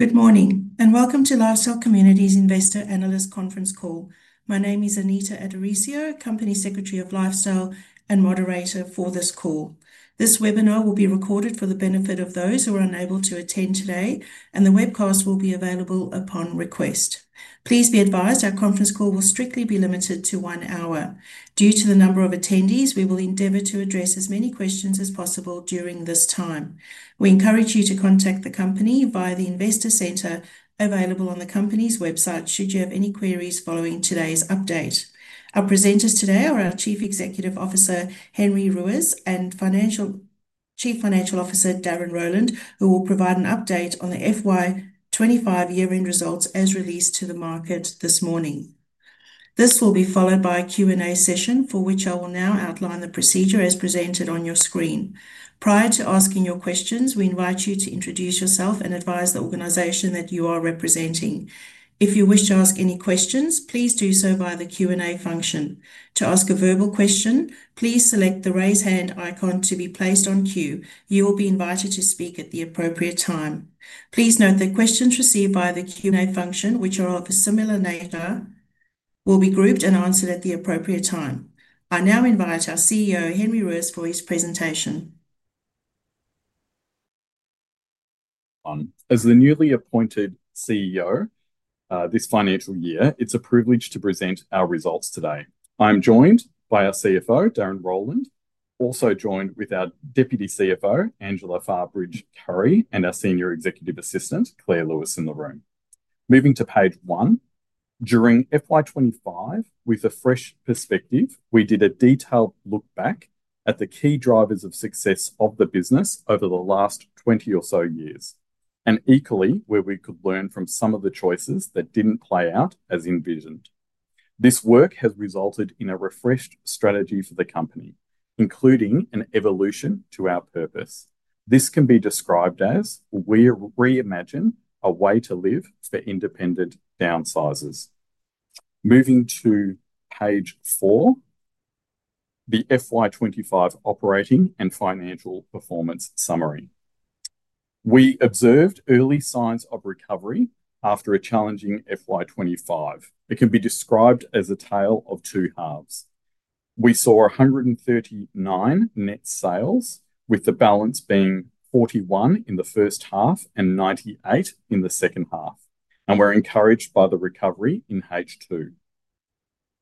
Good morning and welcome to Lifestyle Communities Investor Analyst Conference Call. My name is Anita Addorisio, Company Secretary of Lifestyle and Moderator for this call. This webinar will be recorded for the benefit of those who are unable to attend today, and the webcast will be available upon request. Please be advised our conference call will strictly be limited to one hour. Due to the number of attendees, we will endeavor to address as many questions as possible during this time. We encourage you to contact the company via the Investor Center, available on the company's website, should you have any queries following today's update. Our presenters today are our Chief Executive Officer, Henry Ruiz, and Chief Financial Officer, Darren Rowland, who will provide an update on the FY 2025 year-end results as released to the market this morning. This will be followed by a Q&A session, for which I will now outline the procedure as presented on your screen. Prior to asking your questions, we invite you to introduce yourself and advise the organization that you are representing. If you wish to ask any questions, please do so via the Q&A function. To ask a verbal question, please select the raise hand icon to be placed on cue. You will be invited to speak at the appropriate time. Please note that questions received by the Q&A function, which are of a similar nature, will be grouped and answered at the appropriate time. I now invite our CEO, Henry Ruiz, for his presentation. As the newly appointed CEO, this financial year, it's a privilege to present our results today. I'm joined by our CFO, Darren Rowland, also joined with our Deputy CFO, Angela Farbridge-Currie, and our Senior Executive Assistant, Clare Lewis, in the room. Moving to page one, during FY 2025, with a fresh perspective, we did a detailed look back at the key drivers of success of the business over the last 20 or so years, and equally where we could learn from some of the choices that didn't play out as envisioned. This work has resulted in a refreshed strategy for the company, including an evolution to our purpose. This can be described as we reimagined a way to live for independent downsizers. Moving to page four, the FY 2025 operating and financial performance summary. We observed early signs of recovery after a challenging FY 2025. It can be described as a tale of two halves. We saw 139 net sales, with the balance being 41 in the first half and 98 in the second half, and we're encouraged by the recovery in HQ.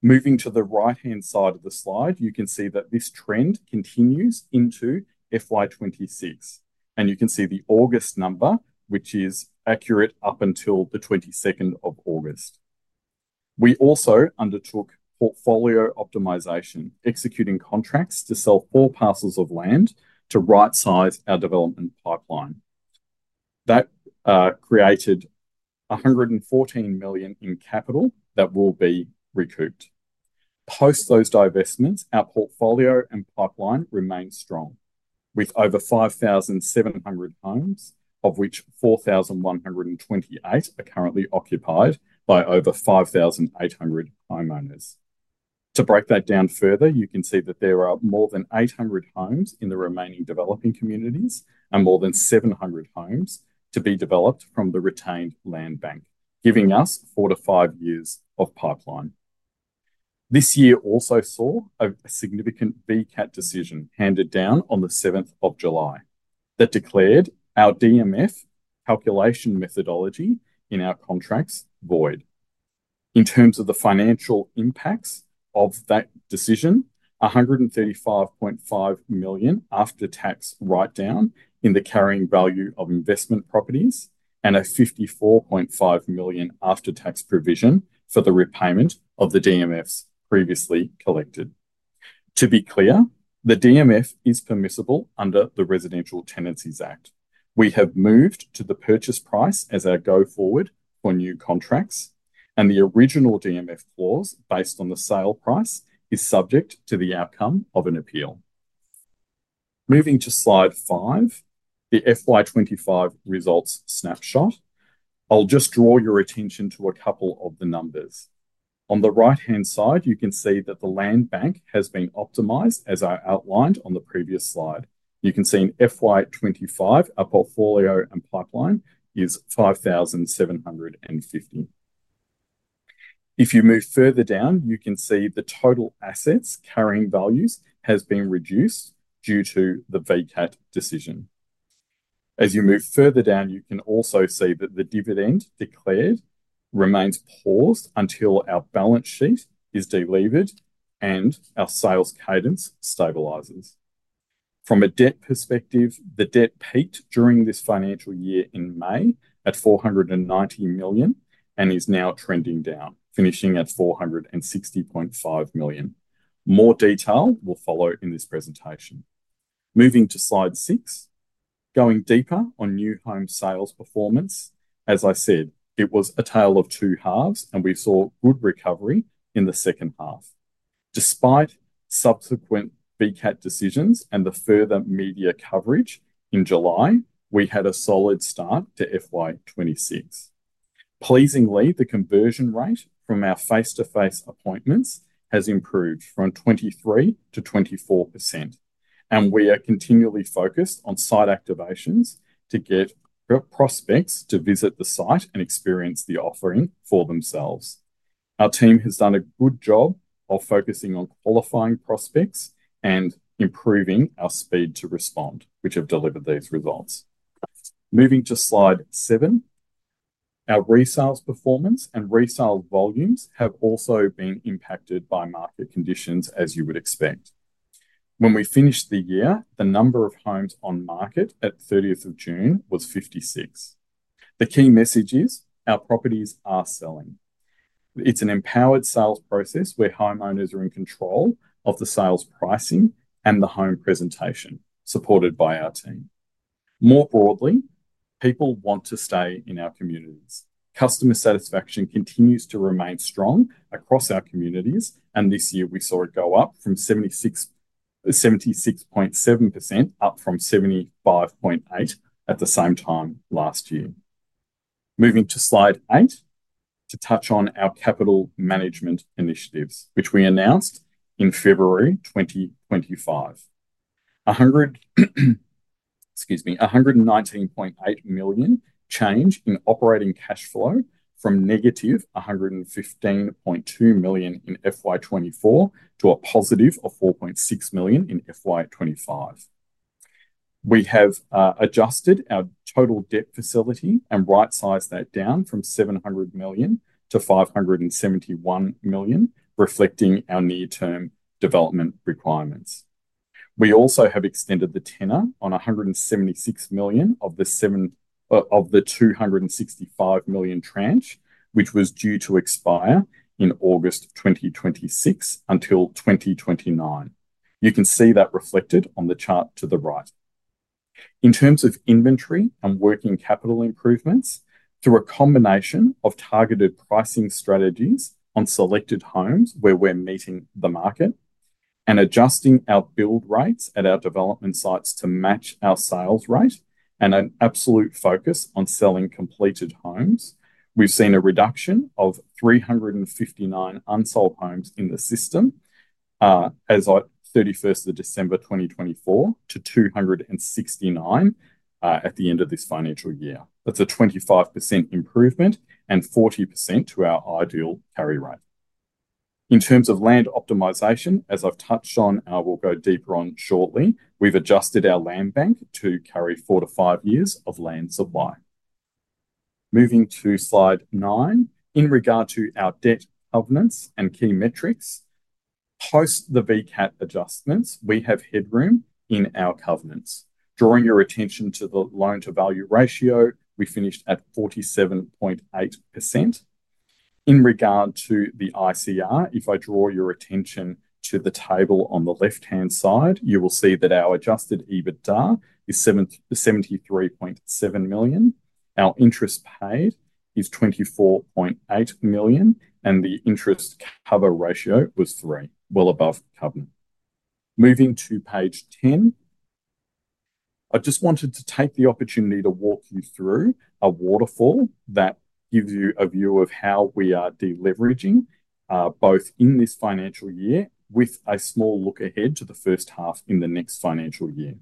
Moving to the right-hand side of the slide, you can see that this trend continues into FY 2026, and you can see the August number, which is accurate up until the 22nd of August. We also undertook portfolio optimization, executing contracts to sell four parcels of land to right-size our development pipeline. That created $114 million in capital that will be recouped. Post those divestments, our portfolio and pipeline remain strong, with over 5,700 homes, of which 4,128 are currently occupied by over 5,800 homeowners. To break that down further, you can see that there are more than 800 homes in the remaining developing communities and more than 700 homes to be developed from the retained land bank, giving us four to five years of pipeline. This year also saw a significant VCAT decision handed down on the 7th of July that declared our DMF calculation methodology in our contracts void. In terms of the financial impacts of that decision, $135.5 million after-tax write-down in the carrying value of investment properties and a $54.5 million after-tax provision for the repayment of the DMFs previously collected. To be clear, the DMF is permissible under the Residential Tenancies Act. We have moved to the purchase price as our go-forward for new contracts, and the original DMF clause based on the sale price is subject to the outcome of an appeal. Moving to slide five, the FY 2025 results snapshot, I'll just draw your attention to a couple of the numbers. On the right-hand side, you can see that the land bank has been optimized as I outlined on the previous slide. You can see in FY 2025, our portfolio and pipeline is 5,750. If you move further down, you can see the total assets carrying values have been reduced due to the VCAT decision. As you move further down, you can also see that the dividend declared remains paused until our balance sheet is delivered and our sales cadence stabilizes. From a debt perspective, the debt peaked during this financial year in May at $490 million and is now trending down, finishing at $460.5 million. More detail will follow in this presentation. Moving to slide six, going deeper on new home sales performance. As I said, it was a tale of two halves, and we saw good recovery in the second half. Despite subsequent VCAT decisions and the further media coverage in July, we had a solid start to FY 2026. Pleasingly, the conversion rate from our face-to-face appointments has improved from 23% to 24%, and we are continually focused on site activations to get prospects to visit the site and experience the offering for themselves. Our team has done a good job of focusing on qualifying prospects and improving our speed to respond, which have delivered these results. Moving to slide seven, our resales performance and resale volumes have also been impacted by market conditions, as you would expect. When we finished the year, the number of homes on market at 30th of June was 56. The key message is our properties are selling. It's an empowered sales process where homeowners are in control of the sales pricing and the home presentation, supported by our team. More broadly, people want to stay in our communities. Customer satisfaction continues to remain strong across our communities, and this year we saw it go up from 76.7% up from 75.8% at the same time last year. Moving to slide eight, to touch on our capital management initiatives, which we announced in February 2025. Excuse me, $119.8 million change in operating cash flow from -$115.2 million in FY 2024 to a positive of $4.6 million in FY 2025. We have adjusted our total debt facility and right-sized that down from $700 million to $571 million, reflecting our near-term development requirements. We also have extended the tenor on $176 million of the $265 million tranche, which was due to expire in August 2026 until 2029. You can see that reflected on the chart to the right. In terms of inventory and working capital improvements, through a combination of targeted pricing strategies on selected homes where we're meeting the market and adjusting our build rates at our development sites to match our sales rate and an absolute focus on selling completed homes, we've seen a reduction of 359 unsold homes in the system as of 31st of December 2024 to 269 at the end of this financial year. That's a 25% improvement and 40% to our ideal carry rate. In terms of land optimization, as I've touched on and I will go deeper on shortly, we've adjusted our land bank to carry four to five years of land supply. Moving to slide nine, in regard to our debt covenants and key metrics, post the VCAT adjustments, we have headroom in our covenants. Drawing your attention to the loan-to-value ratio, we finished at 47.8%. In regard to the ICR, if I draw your attention to the table on the left-hand side, you will see that our adjusted EBITDA is $73.7 million. Our interest paid is $24.8 million, and the interest cover ratio was 3, well above the covenant. Moving to page 10, I just wanted to take the opportunity to walk you through a waterfall that gives you a view of how we are deleveraging both in this financial year with a small look ahead to the first half in the next financial year.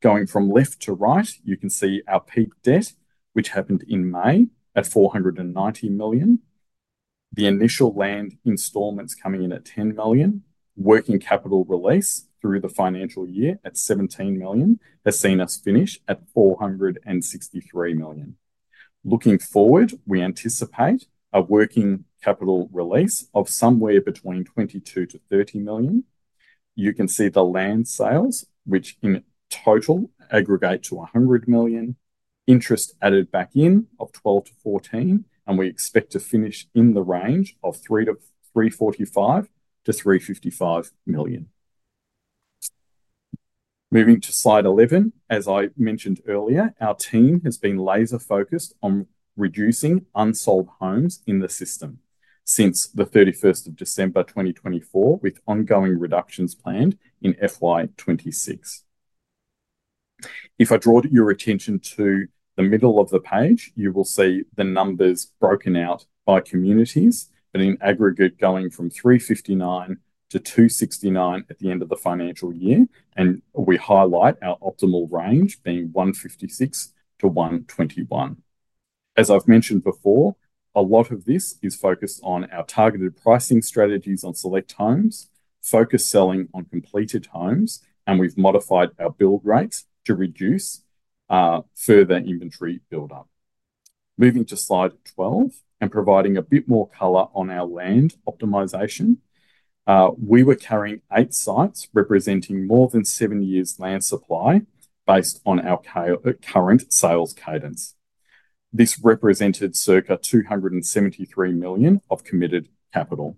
Going from left to right, you can see our peak debt, which happened in May at $490 million. The initial land installments coming in at $10 million. Working capital release through the financial year at $17 million has seen us finish at $463 million. Looking forward, we anticipate a working capital release of somewhere between $22 million-$30 million. You can see the land sales, which in total aggregate to $100 million. Interest added back in of $12 million-$14 million, and we expect to finish in the range of $345 million-$355 million. Moving to slide 11, as I mentioned earlier, our team has been laser-focused on reducing unsold homes in the system since the 31st of December 2024, with ongoing reductions planned in FY 2026. If I draw your attention to the middle of the page, you will see the numbers broken out by communities that in aggregate going from 359 to 269 at the end of the financial year, and we highlight our optimal range being 156-121. As I've mentioned before, a lot of this is focused on our targeted pricing strategies on select homes, focused selling on completed homes, and we've modified our build rates to reduce further inventory buildup. Moving to slide 12 and providing a bit more color on our land optimization, we were carrying eight sites representing more than seven years' land supply based on our current sales cadence. This represented circa $273 million of committed capital.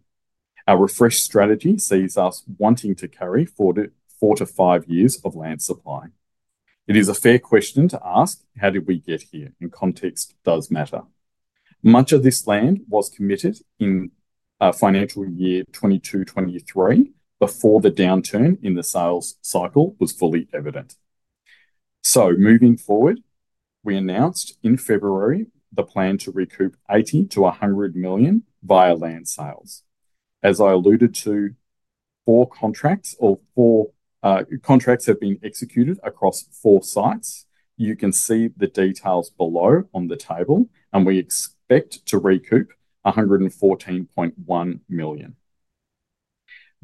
Our refreshed strategy sees us wanting to carry four to five years of land supply. It is a fair question to ask, how did we get here? Context does matter. Much of this land was committed in financial year 2022/2023, before the downturn in the sales cycle was fully evident. Moving forward, we announced in February the plan to recoup $80 million-$100 million via land sales. As I alluded to, four contracts have been executed across four sites. You can see the details below on the table, and we expect to recoup $114.1 million.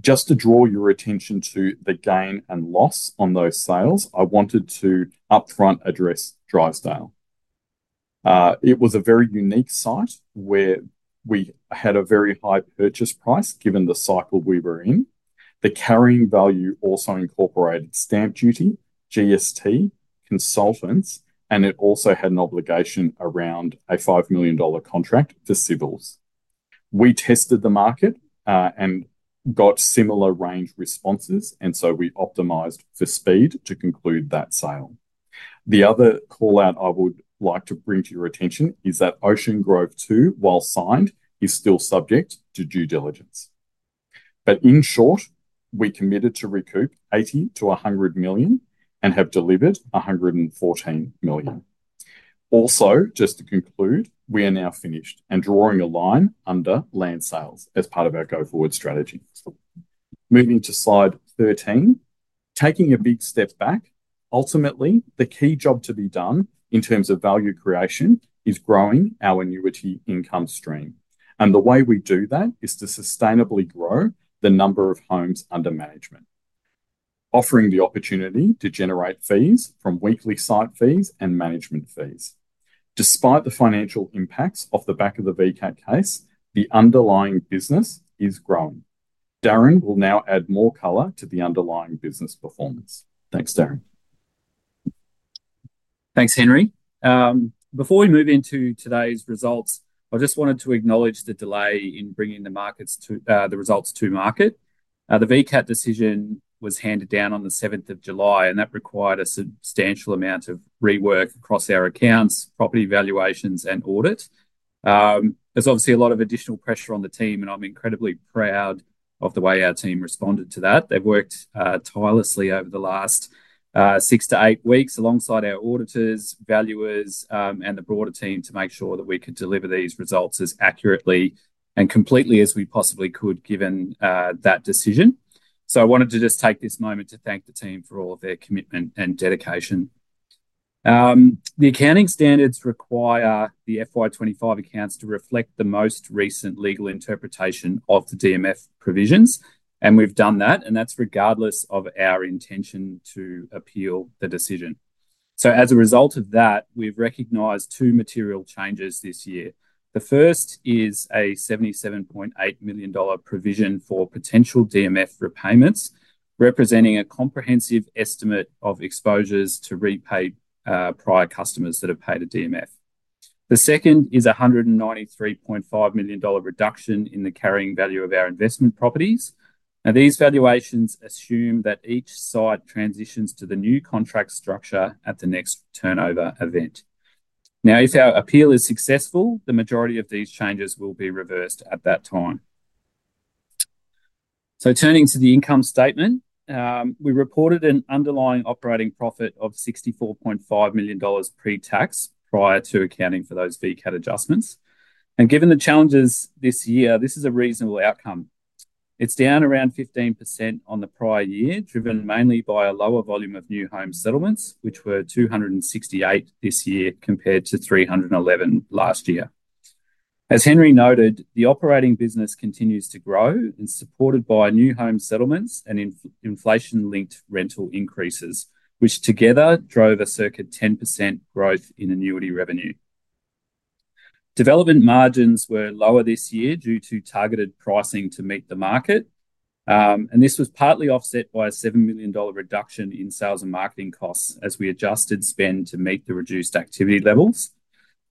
Just to draw your attention to the gain and loss on those sales, I wanted to upfront address Drysdale. It was a very unique site where we had a very high purchase price given the cycle we were in. The carrying value also incorporated stamp duty, GST, consultants, and it also had an obligation around a $5 million contract for civils. We tested the market and got similar range responses, and we optimized for speed to conclude that sale. The other call out I would like to bring to your attention is that Ocean Grove 2, while signed, is still subject to due diligence. In short, we committed to recoup $80 million-$100 million and have delivered $114 million. Also, just to conclude, we are now finished and drawing a line under land sales as part of our go-forward strategy. Moving to slide 13, taking a big step back, ultimately, the key job to be done in terms of value creation is growing our annuity income stream. The way we do that is to sustainably grow the number of homes under management, offering the opportunity to generate fees from weekly site fees and management fees. Despite the financial impacts off the back of the VCAT case, the underlying business is growing. Darren will now add more color to the underlying business performance. Thanks, Darren. Thanks, Henry. Before we move into today's results, I just wanted to acknowledge the delay in bringing the results to market. The VCAT decision was handed down on July 7, and that required a substantial amount of rework across our accounts, property valuations, and audit. There is obviously a lot of additional pressure on the team, and I'm incredibly proud of the way our team responded to that. They've worked tirelessly over the last six to eight weeks alongside our auditors, valuers, and the broader team to make sure that we could deliver these results as accurately and completely as we possibly could given that decision. I wanted to just take this moment to thank the team for all of their commitment and dedication. The accounting standards require the FY 2025 accounts to reflect the most recent legal interpretation of the DMF provisions, and we've done that, and that's regardless of our intention to appeal the decision. As a result of that, we've recognized two material changes this year. The first is a $77.8 million provision for potential DMF repayments, representing a comprehensive estimate of exposures to repay prior customers that have paid a DMF. The second is a $193.5 million reduction in the carrying value of our investment properties. These valuations assume that each site transitions to the new contract structure at the next turnover event. If our appeal is successful, the majority of these changes will be reversed at that time. Turning to the income statement, we reported an underlying operating profit of $64.5 million pre-tax prior to accounting for those VCAT adjustments. Given the challenges this year, this is a reasonable outcome. It's down around 15% on the prior year, driven mainly by a lower volume of new home settlements, which were 268 this year compared to 311 last year. As Henry noted, the operating business continues to grow and is supported by new home settlements and inflation-linked rental increases, which together drove a circa 10% growth in annuity revenue. Development margins were lower this year due to targeted pricing to meet the market, and this was partly offset by a $7 million reduction in sales and marketing costs as we adjusted spend to meet the reduced activity levels.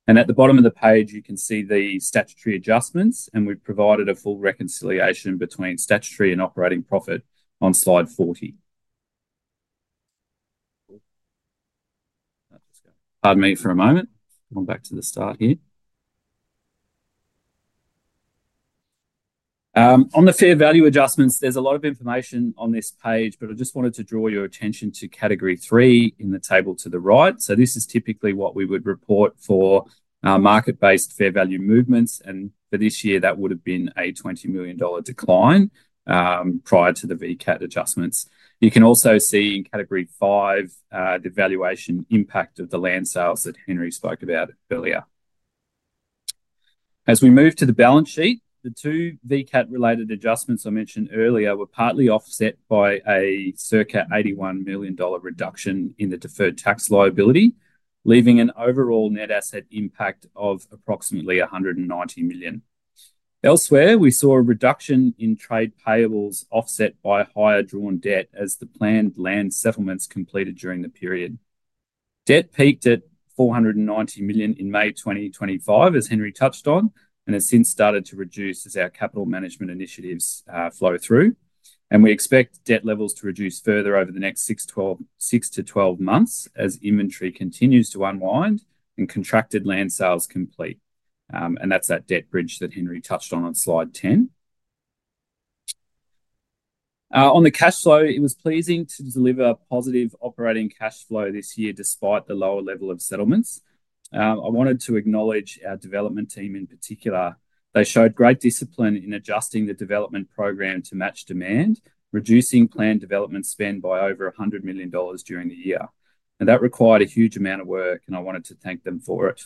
At the bottom of the page, you can see the statutory adjustments, and we've provided a full reconciliation between statutory and operating profit on slide 40. Pardon me for a moment, going back to the start here. On the fair value adjustments, there's a lot of information on this page, but I just wanted to draw your attention to category three in the table to the right. This is typically what we would report for market-based fair value movements, and for this year, that would have been a $20 million decline prior to the VCAT adjustments. You can also see in category five the valuation impact of the land sales that Henry spoke about earlier. As we move to the balance sheet, the two VCAT-related adjustments I mentioned earlier were partly offset by a circa $81 million reduction in the deferred tax liability, leaving an overall net asset impact of approximately $190 million. Elsewhere, we saw a reduction in trade payables offset by higher drawn debt as the planned land settlements completed during the period. Debt peaked at $490 million in May 2025, as Henry touched on, and has since started to reduce as our capital management initiatives flow through. We expect debt levels to reduce further over the next six to 12 months as inventory continues to unwind and contracted land sales complete. That is that debt bridge that Henry touched on on slide 10. On the cash flow, it was pleasing to deliver positive operating cash flow this year despite the lower level of settlements. I wanted to acknowledge our development team in particular. They showed great discipline in adjusting the development program to match demand, reducing planned development spend by over $100 million during the year. That required a huge amount of work, and I wanted to thank them for it.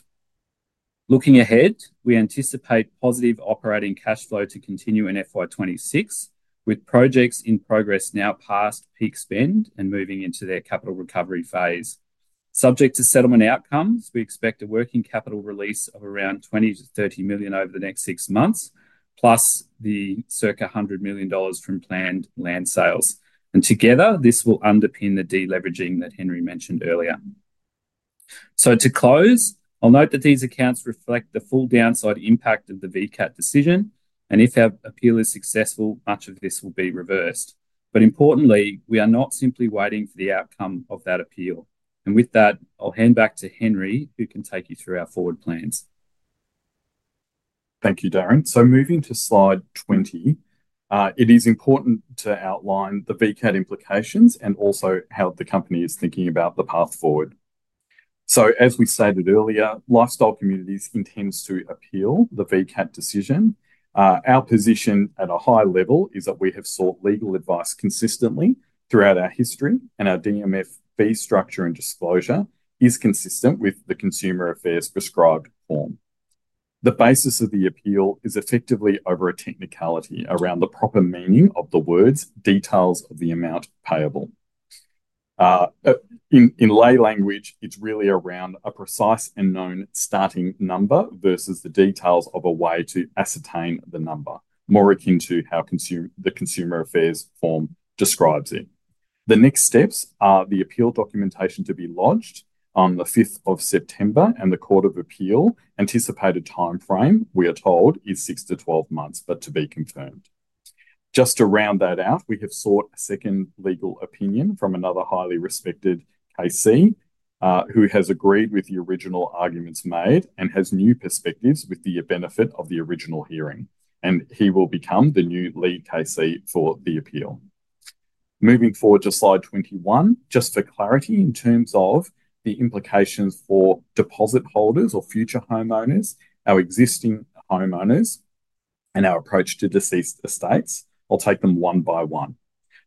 Looking ahead, we anticipate positive operating cash flow to continue in FY 2026 with projects in progress now past peak spend and moving into their capital recovery phase. Subject to settlement outcomes, we expect a working capital release of around $20 million-$30 million over the next six months, plus the circa $100 million from planned land sales. Together, this will underpin the deleveraging that Henry mentioned earlier. To close, I'll note that these accounts reflect the full downside impact of the VCAT decision, and if our appeal is successful, much of this will be reversed. Importantly, we are not simply waiting for the outcome of that appeal. With that, I'll hand back to Henry, who can take you through our forward plans. Thank you, Darren. Moving to slide 20, it is important to outline the VCAT implications and also how the company is thinking about the path forward. As we stated earlier, Lifestyle Communities Ltd intends to appeal the VCAT decision. Our position at a high level is that we have sought legal advice consistently throughout our history, and our DMF fee structure and disclosure is consistent with the Consumer Affairs Prescribed Form. The basis of the appeal is effectively over a technicality around the proper meaning of the words "details of the amount payable." In lay language, it's really around a precise and known starting number versus the details of a way to ascertain the number, more akin to how the Consumer Affairs Form describes it. The next steps are the appeal documentation to be lodged on the 5th of September, and the Court of Appeal anticipated timeframe, we are told, is six to 12 months, but to be confirmed. To round that out, we have sought a second legal opinion from another highly respected KC, who has agreed with the original arguments made and has new perspectives with the benefit of the original hearing. He will become the new lead KC for the appeal. Moving forward to slide 21, for clarity in terms of the implications for deposit holders or future homeowners, our existing homeowners, and our approach to deceased estates, I'll take them one by one.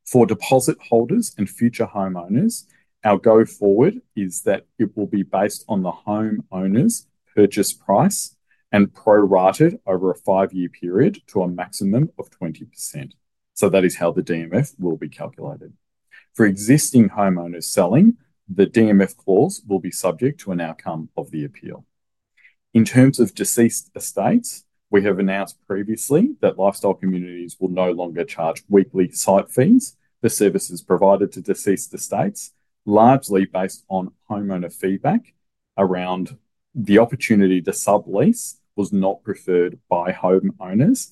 For deposit holders and future homeowners, our go-forward is that it will be based on the homeowner's purchase price and prorated over a five-year period to a maximum of 20%. That is how the DMF will be calculated. For existing homeowners selling, the DMF clause will be subject to an outcome of the appeal. In terms of deceased estates, we have announced previously that Lifestyle Communities Ltd will no longer charge weekly site fees for services provided to deceased estates, largely based on homeowner feedback around the opportunity the sublease was not preferred by homeowners.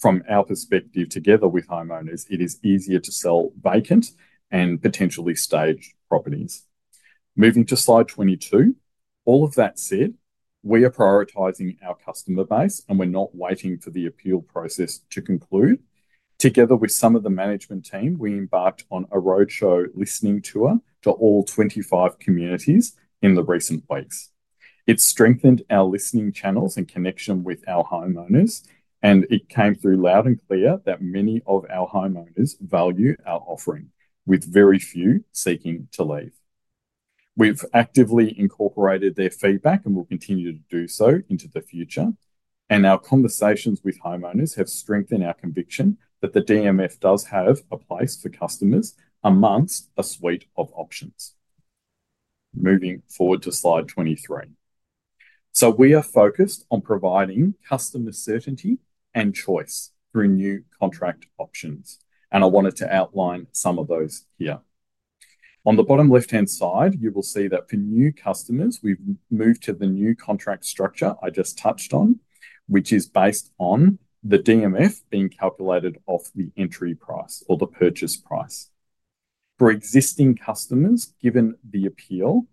From our perspective, together with homeowners, it is easier to sell vacant and potentially staged properties. Moving to slide 22, all of that said, we are prioritizing our customer base, and we're not waiting for the appeal process to conclude. Together with some of the management team, we embarked on a roadshow listening tour to all 25 communities in the recent weeks. It strengthened our listening channels and connection with our homeowners, and it came through loud and clear that many of our homeowners value our offering, with very few seeking to leave. We've actively incorporated their feedback and will continue to do so into the future. Our conversations with homeowners have strengthened our conviction that the DMF does have a place for customers amongst a suite of options. Moving forward to slide 23, we are focused on providing customer certainty and choice through new contract options. I wanted to outline some of those here. On the bottom left-hand side, you will see that for new customers, we've moved to the new contract structure I just touched on, which is based on the DMF being calculated off the entry price or the purchase price. For existing customers, given the appeal,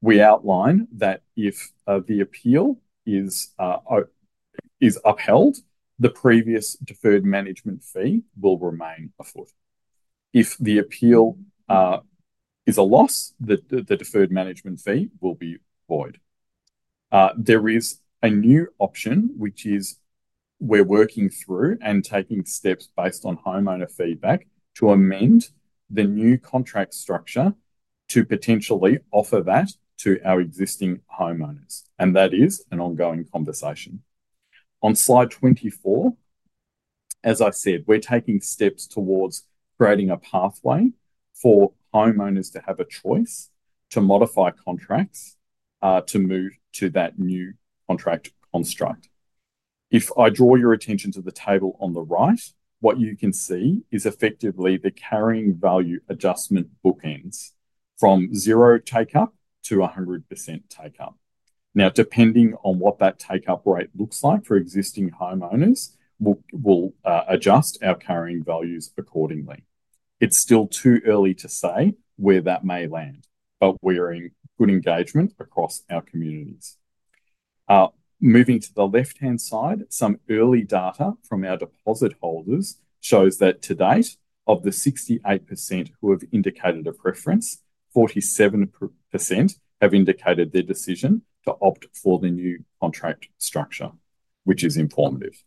we outline that if the appeal is upheld, the previous deferred management fee will remain afoot. If the appeal is a loss, the deferred management fee will be void. There is a new option, which is we're working through and taking steps based on homeowner feedback to amend the new contract structure to potentially offer that to our existing homeowners. That is an ongoing conversation. On slide 24, as I said, we're taking steps towards creating a pathway for homeowners to have a choice to modify contracts to move to that new contract construct. If I draw your attention to the table on the right, what you can see is effectively the carrying value adjustment bookends from zero takeup to 100% takeup. Now, depending on what that takeup rate looks like for existing homeowners, we'll adjust our carrying values accordingly. It's still too early to say where that may land, but we're in good engagement across our communities. Moving to the left-hand side, some early data from our deposit holders shows that to date, of the 68% who have indicated a preference, 47% have indicated their decision to opt for the new contract structure, which is informative.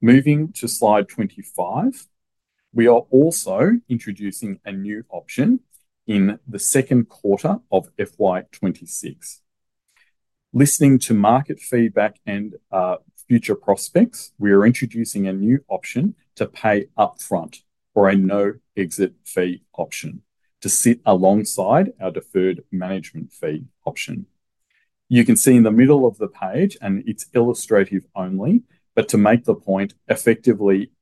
Moving to slide 25, we are also introducing a new option in the second quarter of FY 2026. Listening to market feedback and future prospects, we are introducing a new option to pay upfront for a no-exit fee option to sit alongside our deferred management fee option. You can see in the middle of the page, and it's illustrative only, but to make the point, effectively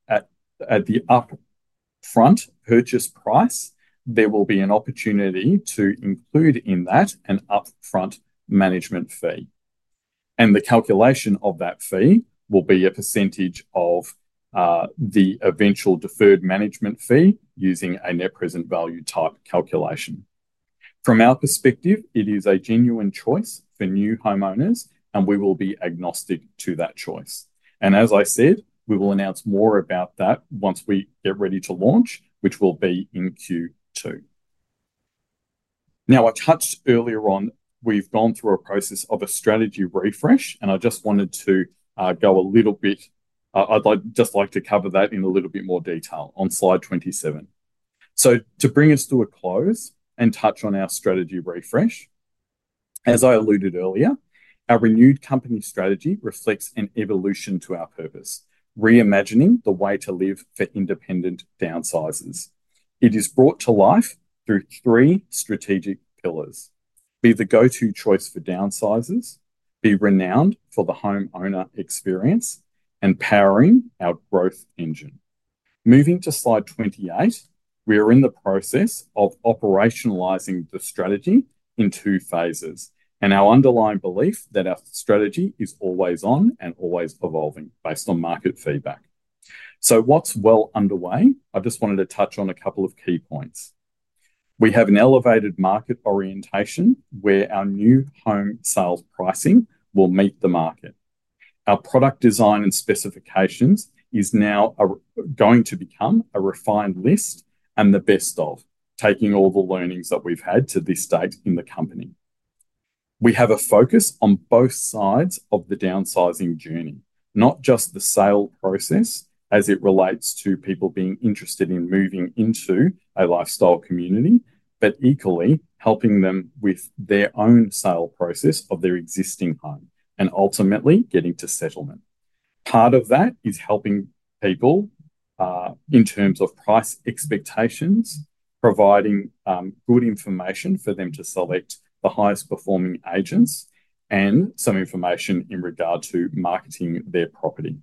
at the upfront purchase price, there will be an opportunity to include in that an upfront management fee. The calculation of that fee will be a percentage of the eventual Deferred Management Fee using a net present value type calculation. From our perspective, it is a genuine choice for new homeowners, and we will be agnostic to that choice. As I said, we will announce more about that once we get ready to launch, which will be in Q2. I touched earlier on going through a process of a strategy refresh, and I just wanted to cover that in a little bit more detail on slide 27. To bring us to a close and touch on our strategy refresh, as I alluded earlier, our renewed company strategy reflects an evolution to our purpose, reimagining the way to live for independent downsizers. It is brought to life through three strategic pillars: be the go-to choice for downsizers, be renowned for the homeowner experience, and powering our growth engine. Moving to slide 28, we are in the process of operationalizing the strategy in two phases, and our underlying belief is that our strategy is always on and always evolving based on market feedback. What's well underway, I just wanted to touch on a couple of key points. We have an elevated market orientation where our new home sales pricing will meet the market. Our product design and specifications are now going to become a refined list and the best of, taking all the learnings that we've had to this date in the company. We have a focus on both sides of the downsizing journey, not just the sale process as it relates to people being interested in moving into a lifestyle community, but equally helping them with their own sale process of their existing home and ultimately getting to settlement. Part of that is helping people in terms of price expectations, providing good information for them to select the highest performing agents, and some information in regard to marketing their property.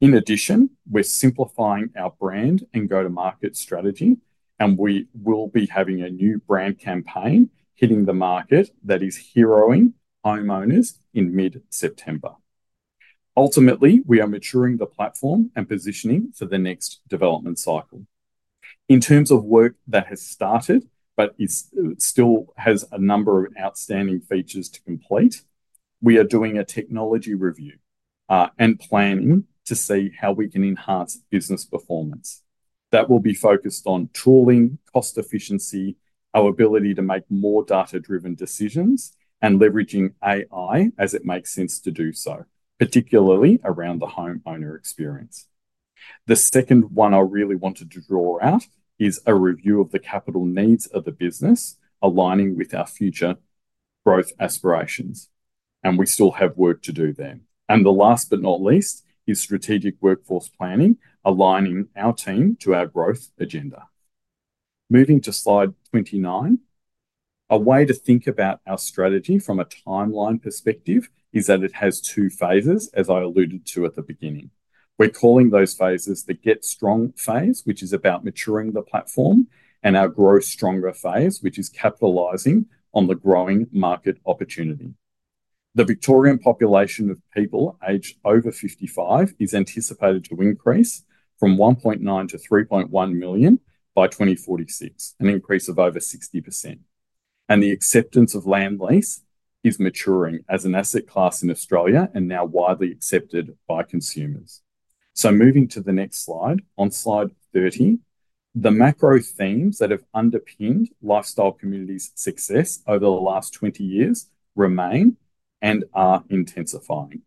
In addition, we're simplifying our brand and go-to-market strategy, and we will be having a new brand campaign hitting the market that is heroing homeowners in mid-September. Ultimately, we are maturing the platform and positioning for the next development cycle. In terms of work that has started but still has a number of outstanding features to complete, we are doing a technology review and planning to see how we can enhance business performance. That will be focused on tooling, cost efficiency, our ability to make more data-driven decisions, and leveraging AI as it makes sense to do so, particularly around the homeowner experience. The second one I really wanted to draw out is a review of the capital needs of the business, aligning with our future growth aspirations. We still have work to do there. The last but not least is strategic workforce planning, aligning our team to our growth agenda. Moving to slide 29, a way to think about our strategy from a timeline perspective is that it has two phases, as I alluded to at the beginning. We're calling those phases the get strong phase, which is about maturing the platform, and our grow stronger phase, which is capitalizing on the growing market opportunity. The Victorian population of people aged over 55 is anticipated to increase from 1.9 million to 3.1 million by 2046, an increase of over 60%. The acceptance of land lease is maturing as an asset class in Australia and now widely accepted by consumers. Moving to the next slide, on slide 30, the macro themes that have underpinned Lifestyle Communities' success over the last 20 years remain and are intensifying.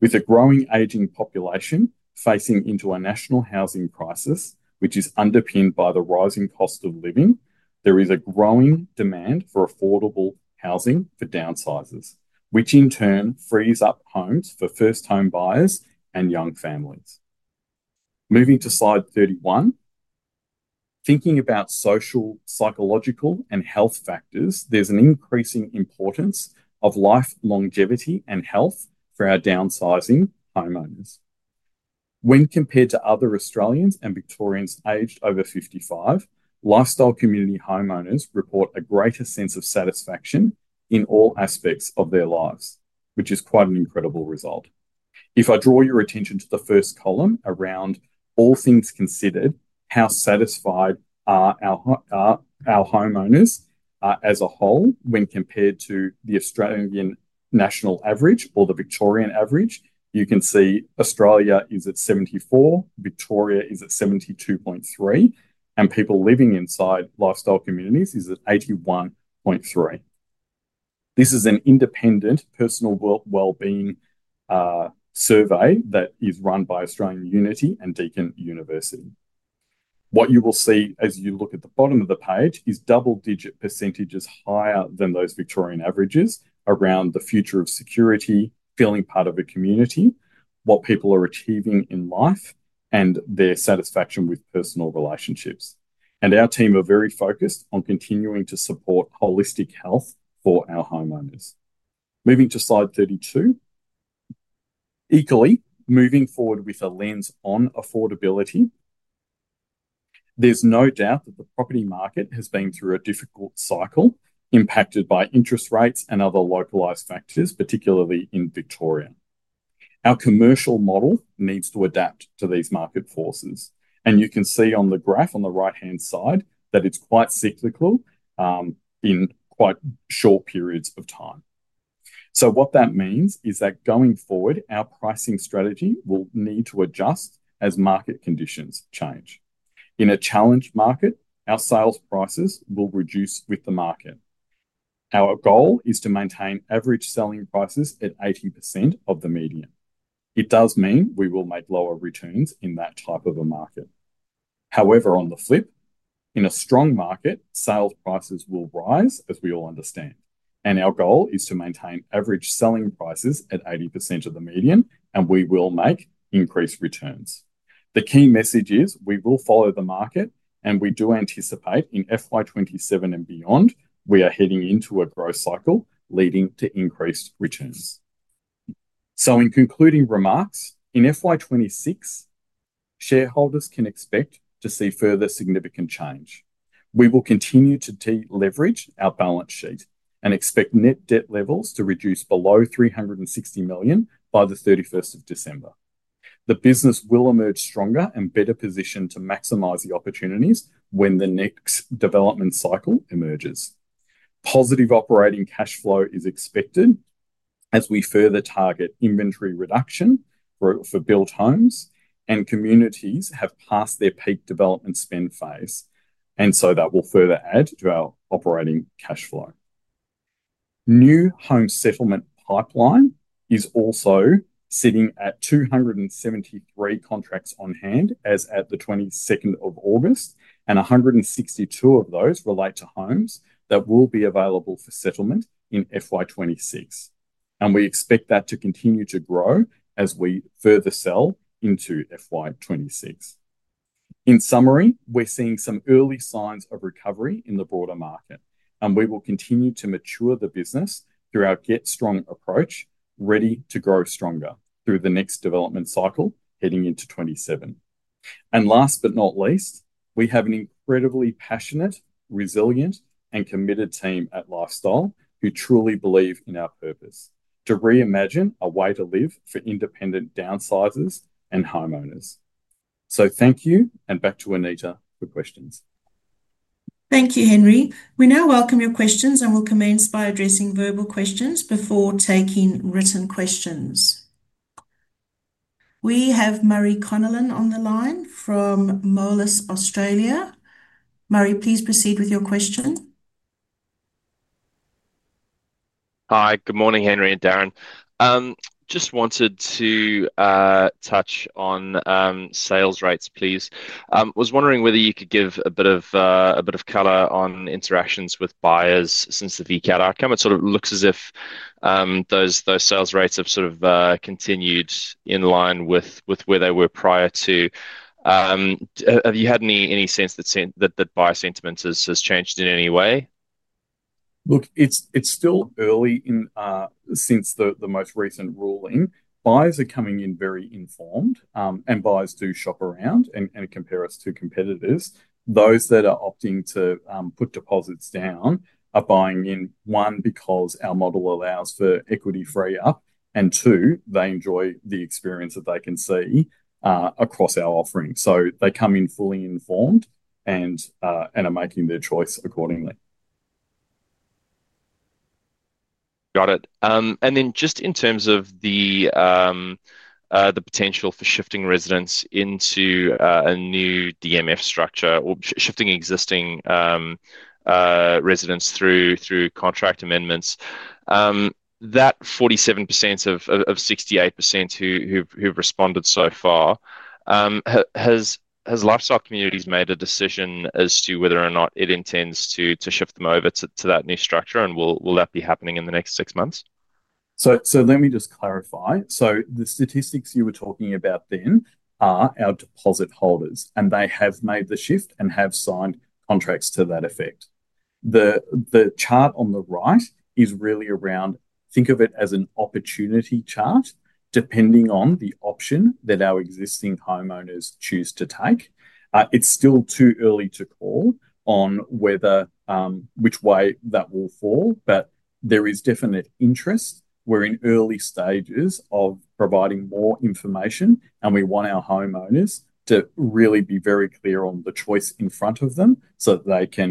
With a growing aging population facing into a national housing crisis, which is underpinned by the rising cost of living, there is a growing demand for affordable housing for downsizers, which in turn frees up homes for first home buyers and young families. Moving to slide 31, thinking about social, psychological, and health factors, there's an increasing importance of life longevity and health for our downsizing homeowners. When compared to other Australians and Victorians aged over 55, Lifestyle Communities homeowners report a greater sense of satisfaction in all aspects of their lives, which is quite an incredible result. If I draw your attention to the first column around all things considered, how satisfied are our homeowners as a whole when compared to the Australian national average or the Victorian average, you can see Australia is at 74, Victoria is at 72.3, and people living inside Lifestyle Communities is at 81.3. This is an independent personal wellbeing survey that is run by Australian Unity and Deakin University. What you will see as you look at the bottom of the page is double-digit % higher than those Victorian averages around the future of security, feeling part of a community, what people are achieving in life, and their satisfaction with personal relationships. Our team are very focused on continuing to support holistic health for our homeowners. Moving to slide 32, equally moving forward with a lens on affordability, there's no doubt that the property market has been through a difficult cycle impacted by interest rates and other localized factors, particularly in Victoria. Our commercial model needs to adapt to these market forces. You can see on the graph on the right-hand side that it's quite cyclical in quite short periods of time. What that means is that going forward, our pricing strategy will need to adjust as market conditions change. In a challenged market, our sales prices will reduce with the market. Our goal is to maintain average selling prices at 80% of the median. It does mean we will make lower returns in that type of a market. However, on the flip, in a strong market, sales prices will rise as we all understand. Our goal is to maintain average selling prices at 80% of the median, and we will make increased returns. The key message is we will follow the market, and we do anticipate in FY 2027 and beyond, we are heading into a growth cycle leading to increased returns. In concluding remarks, in FY 2026, shareholders can expect to see further significant change. We will continue to de-leverage our balance sheet and expect net debt levels to reduce below $360 million by the 31st of December. The business will emerge stronger and better positioned to maximize the opportunities when the next development cycle emerges. Positive operating cash flow is expected as we further target inventory reduction for built homes, and communities have passed their peak development spend phase. That will further add to our operating cash flow. New home settlement pipeline is also sitting at 273 contracts on hand as at the 22nd of August, and 162 of those relate to homes that will be available for settlement in FY 2026. We expect that to continue to grow as we further sell into FY 2026. In summary, we're seeing some early signs of recovery in the broader market, and we will continue to mature the business through our get strong approach, ready to grow stronger through the next development cycle heading into 2027. Last but not least, we have an incredibly passionate, resilient, and committed team at Lifestyle who truly believe in our purpose to reimagine a way to live for independent downsizers and homeowners. Thank you, and back to Anita for questions. Thank you, Henry. We now welcome your questions and will commence by addressing verbal questions before taking written questions. We have Murray Connellan on the line from Moelis, Australia. Murray, please proceed with your question. Hi, good morning, Henry and Darren. Just wanted to touch on sales rates, please. I was wondering whether you could give a bit of color on interactions with buyers since the VCAT outcome. It looks as if those sales rates have continued in line with where they were prior to. Have you had any sense that buyer sentiment has changed in any way? Look, it's still early since the most recent ruling. Buyers are coming in very informed, and buyers do shop around and compare us to competitors. Those that are opting to put deposits down are buying in, one, because our model allows for equity free up, and two, they enjoy the experience that they can see across our offering. They come in fully informed and are making their choice accordingly. Got it. In terms of the potential for shifting residents into a new DMF structure or shifting existing residents through contract amendments, that 47% of 68% who've responded so far, has Lifestyle Communities made a decision as to whether or not it intends to shift them over to that new structure, and will that be happening in the next six months? Let me just clarify. The statistics you were talking about then are our deposit holders, and they have made the shift and have signed contracts to that effect. The chart on the right is really around, think of it as an opportunity chart, depending on the option that our existing homeowners choose to take. It's still too early to call on which way that will fall, but there is definite interest. We're in early stages of providing more information, and we want our homeowners to really be very clear on the choice in front of them so that they can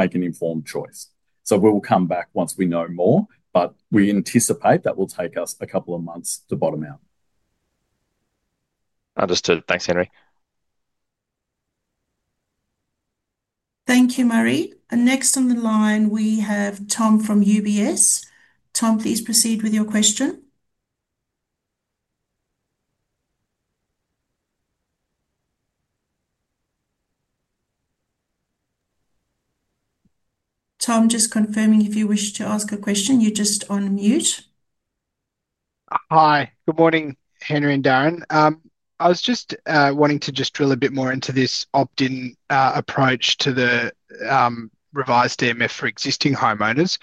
make an informed choice. We will come back once we know more, but we anticipate that will take us a couple of months to bottom out. Understood. Thanks, Henry. Thank you, Murray. Next on the line, we have Tom from UBS. Tom, please proceed with your question. Tom, just confirming if you wish to ask a question, you're just on mute. Hi, good morning, Henry and Darren. I was just wanting to drill a bit more into this opt-in approach to the revised DMF for existing homeowners.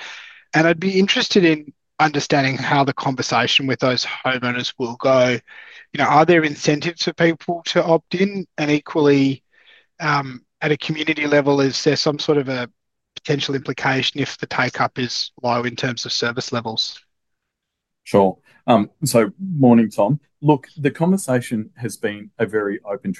I'd be interested in understanding how the conversation with those homeowners will go. Are there incentives for people to opt in? Equally, at a community level, is there some sort of a potential implication if the takeup is low in terms of service levels? Sure. Morning, Tom. The conversation has been a very open,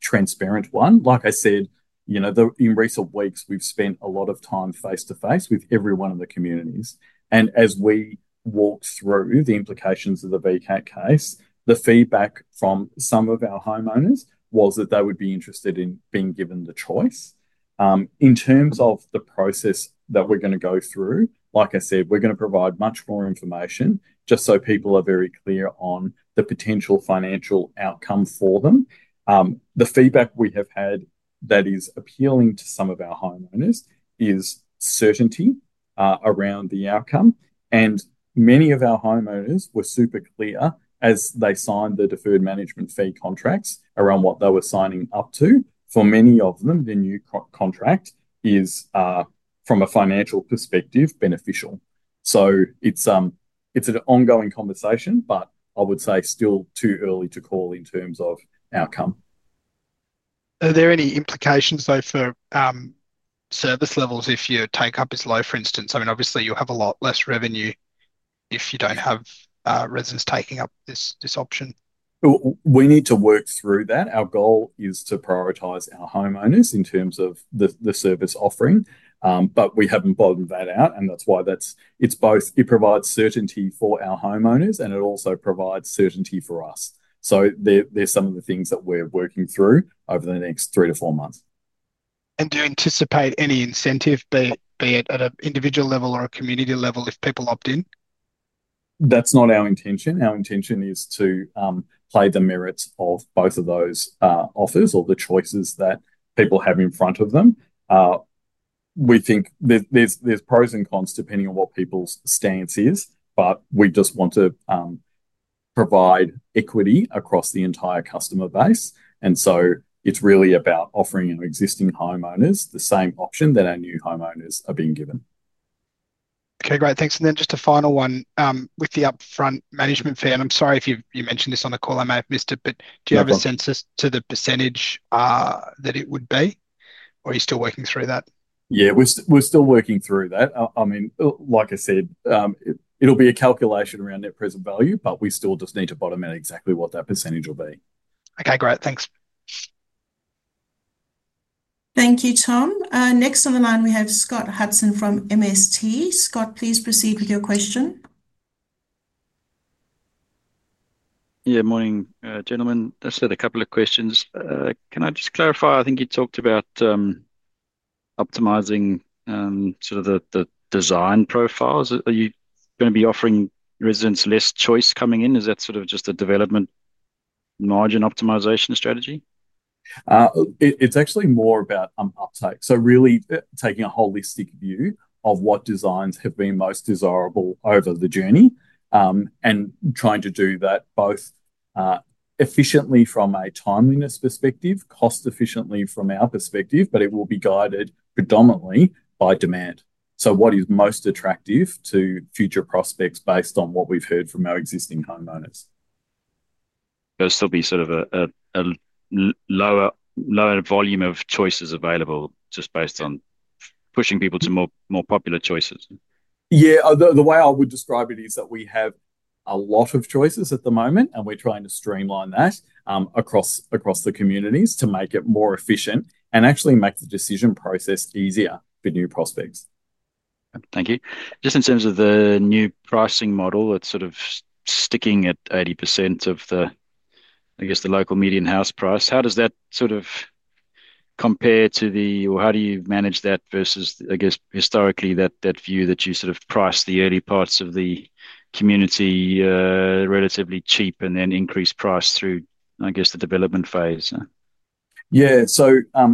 transparent one. Like I said, in recent weeks, we've spent a lot of time face-to-face with everyone in the communities. As we walked through the implications of the VCAT case, the feedback from some of our homeowners was that they would be interested in being given the choice. In terms of the process that we're going to go through, like I said, we're going to provide much more information just so people are very clear on the potential financial outcome for them. The feedback we have had that is appealing to some of our homeowners is certainty around the outcome. Many of our homeowners were super clear as they signed the Deferred Management Fee contracts around what they were signing up to. For many of them, the new contract is, from a financial perspective, beneficial. It's an ongoing conversation, but I would say still too early to call in terms of outcome. Are there any implications, though, for service levels if your takeup is low, for instance? I mean, obviously, you'll have a lot less revenue if you don't have residents taking up this option. We need to work through that. Our goal is to prioritize our homeowners in terms of the service offering, but we haven't bottomed that out. That is why it provides certainty for our homeowners, and it also provides certainty for us. There are some of the things that we're working through over the next three to four months. Do you anticipate any incentive, be it at an individual level or a community level, if people opt in? That's not our intention. Our intention is to play the merits of both of those offers or the choices that people have in front of them. We think there's pros and cons depending on what people's stance is, but we just want to provide equity across the entire customer base. It's really about offering existing homeowners the same option that our new homeowners are being given. Okay, great. Thanks. Just a final one with the upfront management fee. I'm sorry if you mentioned this on the call, I may have missed it, but do you have a sense as to the % that it would be, or are you still working through that? Yeah, we're still working through that. I mean, like I said, it'll be a calculation around net present value, but we still just need to bottom out exactly what that % will be. Okay, great. Thanks. Thank you, Tom. Next on the line, we have Scott Hudson from MST. Scott, please proceed with your question. Yeah, morning, gentlemen. I just had a couple of questions. Can I just clarify? I think you talked about optimizing sort of the design profiles. Are you going to be offering residents less choice coming in? Is that sort of just a development margin optimization strategy? It's actually more about uptake. Really taking a holistic view of what designs have been most desirable over the journey and trying to do that both efficiently from a timeliness perspective, cost-efficiently from our perspective, but it will be guided predominantly by demand. What is most attractive to future prospects is based on what we've heard from our existing homeowners. There'll still be a lower volume of choices available just based on pushing people to more popular choices. Yeah, the way I would describe it is that we have a lot of choices at the moment, and we're trying to streamline that across the communities to make it more efficient and actually make the decision process easier for new prospects. Thank you. In terms of the new pricing model that's sticking at 80% of the local median house price, how does that compare to, or how do you manage that versus historically that view that you price the early parts of the community relatively cheap and then increase price through the development phase? Yeah, our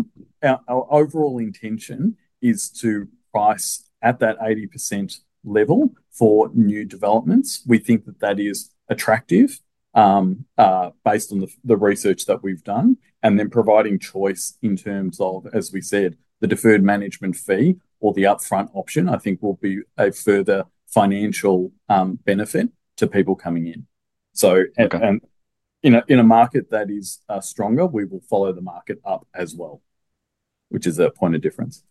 overall intention is to price at that 80% level for new developments. We think that is attractive based on the research that we've done, and providing choice in terms of, as we said, the Deferred Management Fee or the upfront option, I think, will be a further financial benefit to people coming in. In a market that is stronger, we will follow the market up as well, which is a point of difference.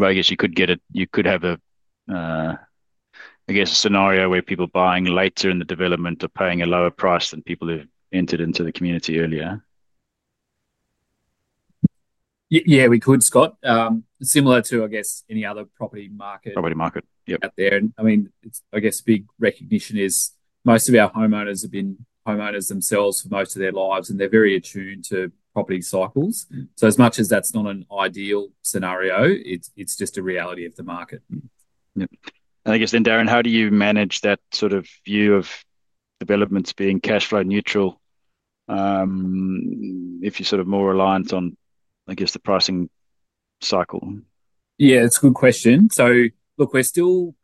I guess you could have a scenario where people buying later in the development are paying a lower price than people who entered into the community earlier. Yeah, we could, Scott. Similar to, I guess, any other property market. Property market, yep. I guess big recognition is most of our homeowners have been homeowners themselves for most of their lives, and they're very attuned to property cycles. As much as that's not an ideal scenario, it's just a reality of the market. Yeah, I guess, Darren, how do you manage that sort of view of developments being cash flow neutral if you're more reliant on, I guess, the pricing cycle? Yeah, it's a good question. We're still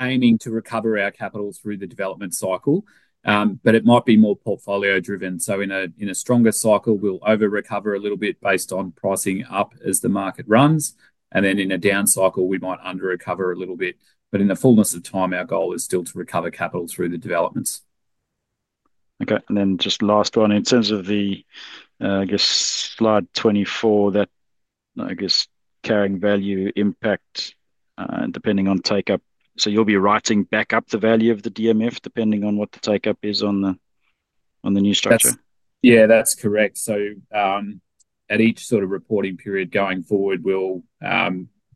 aiming to recover our capital through the development cycle, but it might be more portfolio-driven. In a stronger cycle, we'll over-recover a little bit based on pricing up as the market runs. In a down cycle, we might under-recover a little bit. In the fullness of time, our goal is still to recover capital through the developments. Okay. Just last one, in terms of slide 24, that carrying value impact, depending on takeup. You'll be writing back up the value of the DMF depending on what the takeup is on the new structure? Yeah, that's correct. At each sort of reporting period going forward, we'll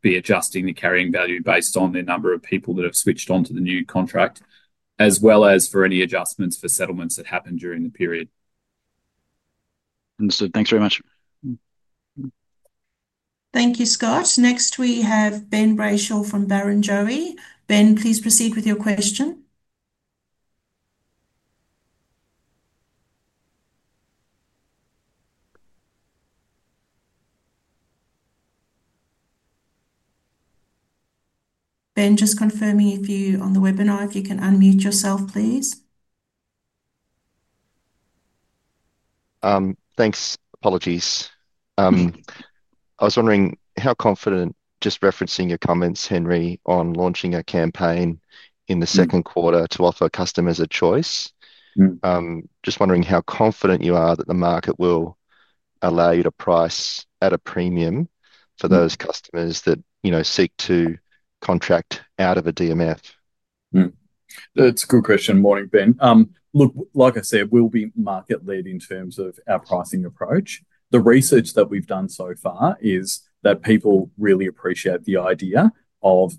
be adjusting the carrying value based on the number of people that have switched onto the new contract, as well as for any adjustments for settlements that happen during the period. Understood. Thanks very much. Thank you, Scott. Next, we have Ben Brayshaw from Barrenjoey. Ben, please proceed with your question. Ben, just confirming if you're on the webinar, if you can unmute yourself, please. Thanks. Apologies. I was wondering how confident, just referencing your comments, Henry, on launching a campaign in the second quarter to offer customers a choice. Just wondering how confident you are that the market will allow you to price at a premium for those customers that, you know, seek to contract out of a DMF. That's a good question. Morning, Ben. Like I said, we'll be market-led in terms of our pricing approach. The research that we've done so far is that people really appreciate the idea of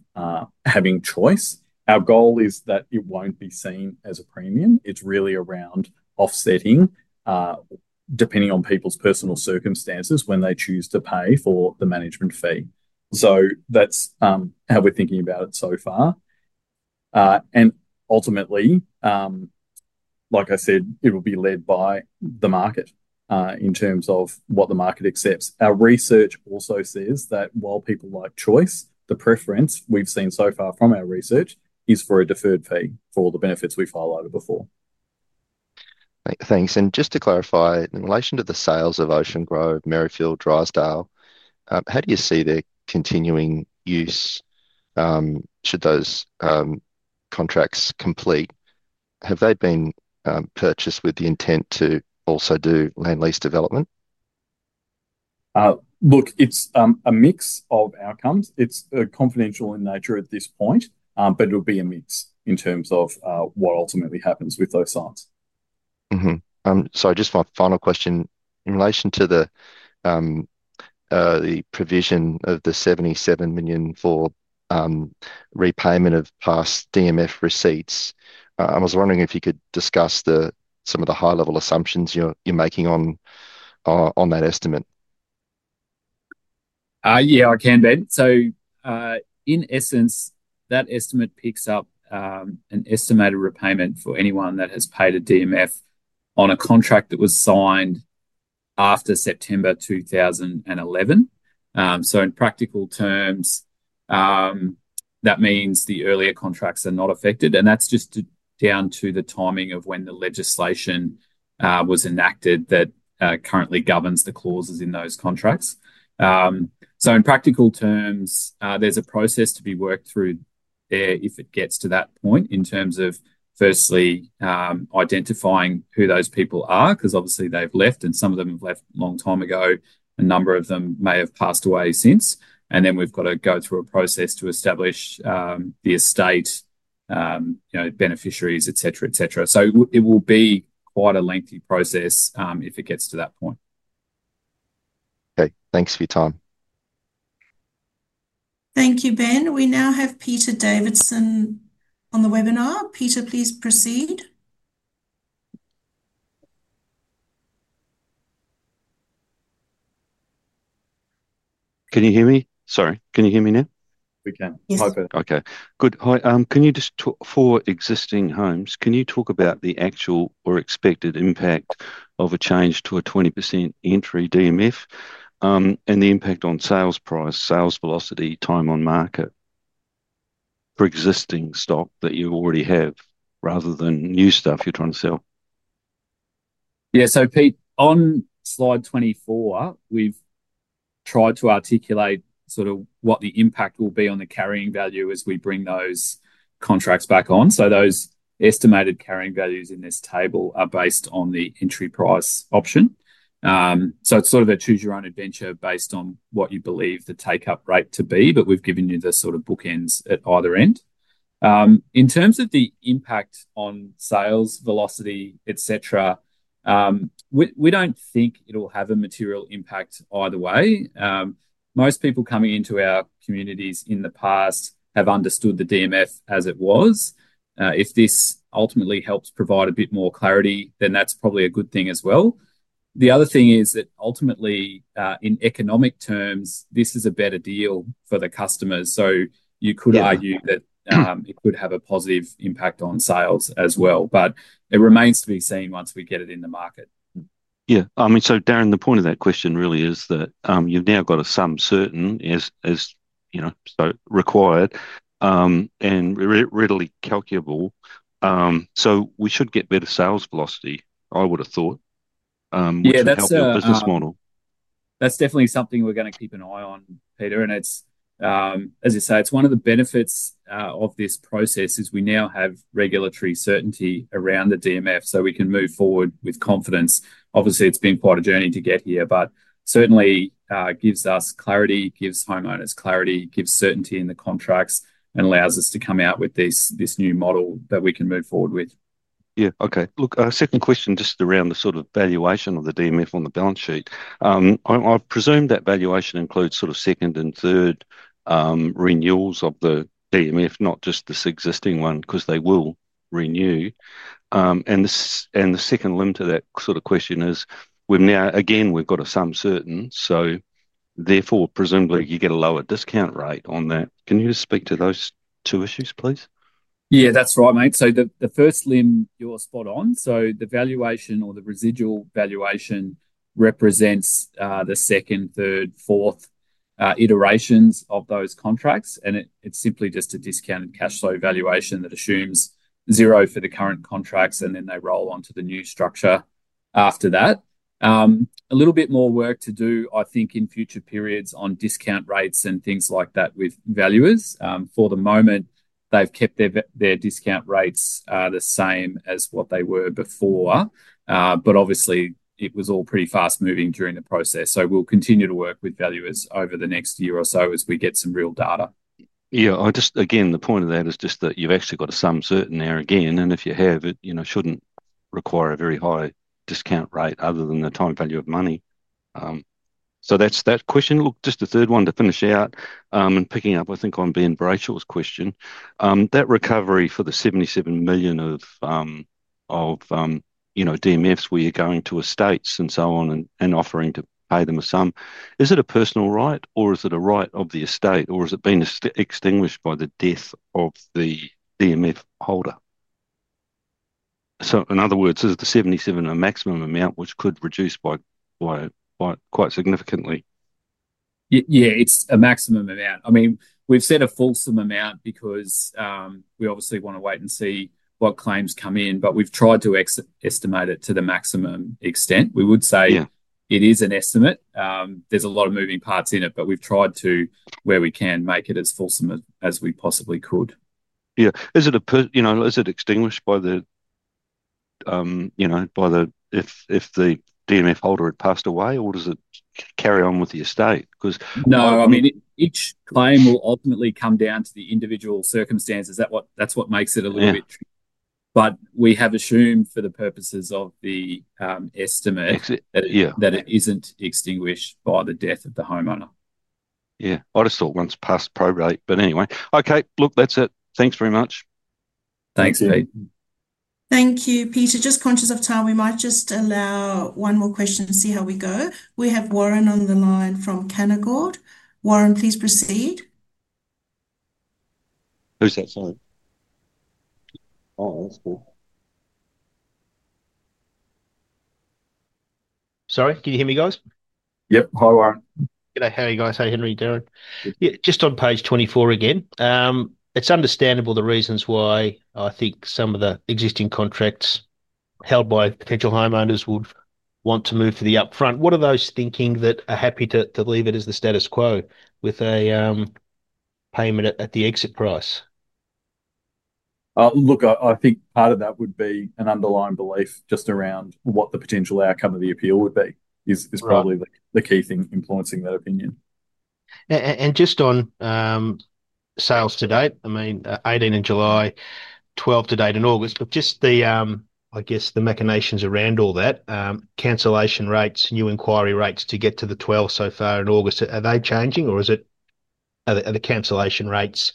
having choice. Our goal is that it won't be seen as a premium. It's really around offsetting, depending on people's personal circumstances when they choose to pay for the management fee. That's how we're thinking about it so far. Ultimately, like I said, it will be led by the market in terms of what the market accepts. Our research also says that while people like choice, the preference we've seen so far from our research is for a deferred fee for the benefits we've highlighted before. Thanks. Just to clarify, in relation to the sales of Ocean Grove, Merrifield, Drysdale, how do you see their continuing use should those contracts complete? Have they been purchased with the intent to also do land lease development? Look, it's a mix of outcomes. It's confidential in nature at this point, but it'll be a mix in terms of what ultimately happens with those signs. Just my final question, in relation to the provision of $77 million for repayment of past DMF receipts, I was wondering if you could discuss some of the high-level assumptions you're making on that estimate. Yeah, I can, Ben. In essence, that estimate picks up an estimated repayment for anyone that has paid a DMF on a contract that was signed after September 2011. In practical terms, that means the earlier contracts are not affected. That's just down to the timing of when the legislation was enacted that currently governs the clauses in those contracts. In practical terms, there's a process to be worked through if it gets to that point in terms of firstly identifying who those people are, because obviously they've left and some of them have left a long time ago. A number of them may have passed away since. We've got to go through a process to establish the estate, beneficiaries, etc., etc. It will be quite a lengthy process if it gets to that point. Okay, thanks for your time. Thank you, Ben. We now have Peter Davidson on the webinar. Peter, please proceed. Can you hear me? Sorry, can you hear me now? We can. Okay. Good. Can you just talk for existing homes? Can you talk about the actual or expected impact of a change to a 20% entry DMF and the impact on sales price, sales velocity, time on market for existing stock that you already have rather than new stuff you're trying to sell? Yeah. On slide 24, we've tried to articulate what the impact will be on the carrying value as we bring those contracts back on. Those estimated carrying values in this table are based on the entry price option. It's sort of a choose-your-own-adventure based on what you believe the takeup rate to be, but we've given you the bookends at either end. In terms of the impact on sales velocity, etc., we don't think it'll have a material impact either way. Most people coming into our communities in the past have understood the DMF as it was. If this ultimately helps provide a bit more clarity, then that's probably a good thing as well. The other thing is that ultimately, in economic terms, this is a better deal for the customers. You could argue that it could have a positive impact on sales as well, but it remains to be seen once we get it in the market. Yeah. I mean, Darren, the point of that question really is that you've now got a sum certain, as you know, required and readily calculable. We should get better sales velocity, I would have thought. Yeah, that's a business model. That's definitely something we're going to keep an eye on, Peter. As I say, it's one of the benefits of this process, as we now have regulatory certainty around the DMF so we can move forward with confidence. Obviously, it's been quite a journey to get here, but it certainly gives us clarity, gives homeowners clarity, gives certainty in the contracts, and allows us to come out with this new model that we can move forward with. Okay. Look, a second question just around the sort of valuation of the DMF on the balance sheet. I presume that valuation includes sort of second and third renewals of the DMF, not just this existing one, because they will renew. The second limb to that sort of question is, we've now, again, we've got a sum certain, so therefore presumably you get a lower discount rate on that. Can you just speak to those two issues, please? Yeah, that's right, mate. The first limb, you're spot on. The valuation or the residual valuation represents the second, third, fourth iterations of those contracts. It's simply just a discounted cash flow valuation that assumes zero for the current contracts, and then they roll onto the new structure after that. A little bit more work to do, I think, in future periods on discount rates and things like that with valuers. For the moment, they've kept their discount rates the same as what they were before, but obviously it was all pretty fast moving during the process. We'll continue to work with valuers over the next year or so as we get some real data. Yeah, the point of that is just that you've actually got a sum certain there again, and if you have it, you know, shouldn't require a very high discount rate other than the time value of money. That's that question. Just the third one to finish out and picking up, I think, on Ben Brachel's question, that recovery for the $77 million of, you know, DMFs where you're going to estates and so on and offering to pay them a sum, is it a personal right or is it a right of the estate or has it been extinguished by the death of the DMF holder? In other words, is the $77 million a maximum amount which could reduce by quite significantly? Yeah, it's a maximum amount. We've set a fulsome amount because we obviously want to wait and see what claims come in, but we've tried to estimate it to the maximum extent. We would say it is an estimate. There's a lot of moving parts in it, but we've tried to, where we can, make it as fulsome as we possibly could. Is it extinguished by the, you know, if the DMF holder had passed away or does it carry on with the estate? I mean, each claim will ultimately come down to the individual circumstances. That's what makes it a little bit tricky. We have assumed for the purposes of the estimate that it isn't extinguished by the death of the homeowner. I'd have thought once past pro rata, but anyway, okay, that's it. Thanks very much. Thanks, Peter. Thank you, Peter. Just conscious of time, we might just allow one more question to see how we go. We have Warren on the line from Canaccord. Warren, please proceed. Who's that? Sorry. Oh, that's cool. Sorry, can you hear me, guys? Yep, hi, Warren. G'day, how are you guys? How are you, Henry? Darren. Yeah, just on page 24 again. It's understandable the reasons why I think some of the existing contracts held by potential homeowners would want to move to the upfront. What are those thinking that are happy to leave it as the status quo with a payment at the exit price? I think part of that would be an underlying belief just around what the potential outcome of the appeal would be, is probably the key thing influencing that opinion. Just on sales to date, 18 in July, 12 to date in August, the machinations around all that, cancellation rates, new inquiry rates to get to the 12 so far in August, are they changing or are the cancellation rates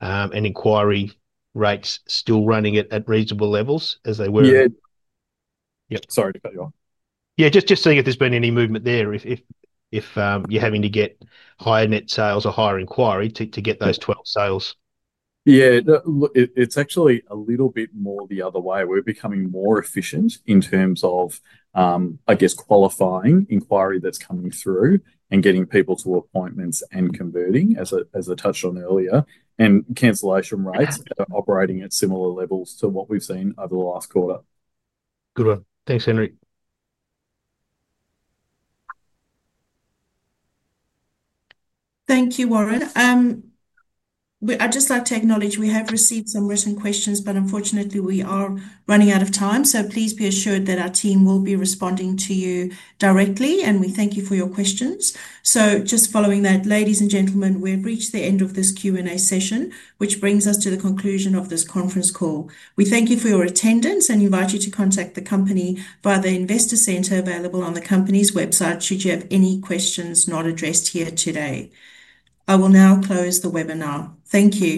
and inquiry rates still running at reasonable levels as they were? Yeah, sorry to cut you off. Yeah, just seeing if there's been any movement there, if you're having to get higher net sales or higher inquiry to get those 12 sales. Yeah, it's actually a little bit more the other way. We're becoming more efficient in terms of, I guess, qualifying inquiry that's coming through, getting people to appointments, and converting, as I touched on earlier. Cancellation rates are operating at similar levels to what we've seen over the last quarter. Good one. Thanks, Henry. Thank you, Warren. I'd just like to acknowledge we have received some written questions, but unfortunately, we are running out of time. Please be assured that our team will be responding to you directly, and we thank you for your questions. Ladies and gentlemen, we've reached the end of this Q&A session, which brings us to the conclusion of this conference call. We thank you for your attendance and invite you to contact the company via the Investor Center available on the company's website should you have any questions not addressed here today. I will now close the webinar. Thank you.